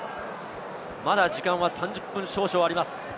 まだ時間は３０分少々あります。